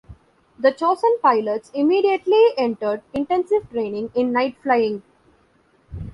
The chosen pilots immediately entered intensive training in night flying.